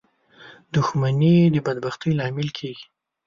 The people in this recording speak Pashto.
• دښمني د بدبختۍ لامل کېږي.